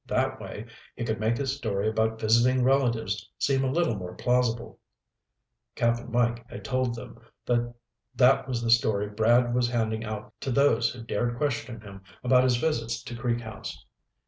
That way, he could make his story about visiting his relatives seem a little more plausible." Cap'n Mike had told them that was the story Brad was handing out to those who dared question him about his visits to Creek House.